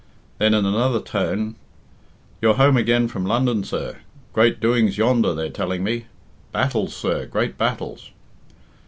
Then in another tone, "You're home again from London, sir? Great doings yonder, they're telling me. Battles, sir, great battles."